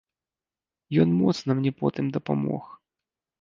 Ён моцна мне потым дапамог.